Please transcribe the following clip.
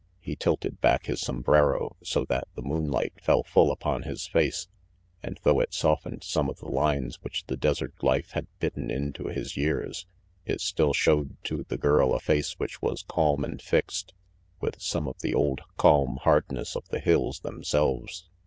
He tilted back his sombrero so that the moonlight fell full upon his face, and though it softened some of the lines which the desert life had bitten into his years, it still showed to the girl a face which was calm and fixed, with some of the old calm hardness of the hills themselves.